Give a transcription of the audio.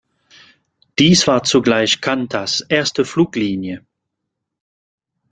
Dies war zugleich Qantas erste Fluglinie.